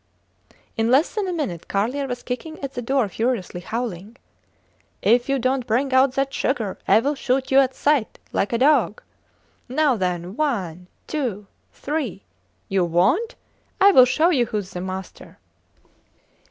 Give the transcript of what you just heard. In less than a minute Carlier was kicking at the door furiously, howling, If you dont bring out that sugar, I will shoot you at sight, like a dog. Now then one two three. You wont? I will show you whos the master.